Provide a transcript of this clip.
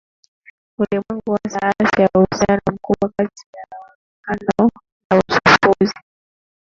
ulimwengu hasa Asia Uhusiano mkubwa kati ya mwonekano na uchafuzi